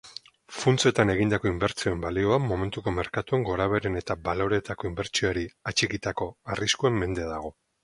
Funtsetan egindako inbertsioen balioa momentuko merkatuen gorabeheren eta baloreetako inbertsioari atxikitako arriskuen mende dago.